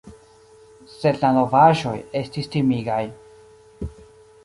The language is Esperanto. Sed la novaĵoj estis timigaj.